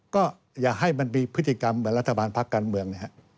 ก็อย่าให้มันมีพฤติกรรมเหมือนรัฐบาลพักการเมือง